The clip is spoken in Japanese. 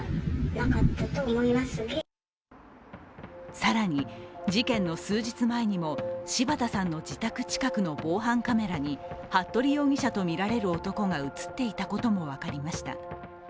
更に、事件の数日前にも柴田さんの自宅近くの防犯カメラに服部容疑者とみられる男が映っていたことも分かりました。